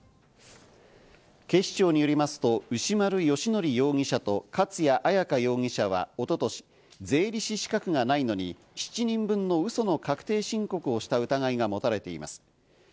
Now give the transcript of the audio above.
警視庁によりますと、牛丸由規容疑者と勝谷彩夏容疑者は一昨年、税理士資格がないのに７人分のウソの確定申告をした疑いが持たれています。